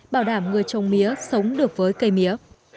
bảo đảm người trồng mía sống được với cây mía